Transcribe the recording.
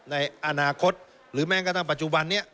ในอนาคตหรือแม้งกระทำปัจจุบันเนี่ย